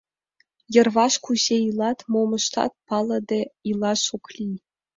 Йырваш кузе илат, мом ыштат — палыде илаш ок лий.